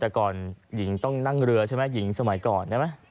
แต่ก่อนหญิงต้องนั่งเรือใช่ไหมหญิงสมัยก่อนใช่ไหม